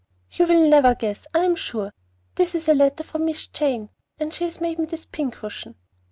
"You will never guess, I am sure. This is a letter from Miss Jane! And she has made me this pincushion!"